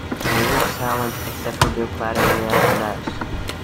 They are silent except for bill-clattering at the nest.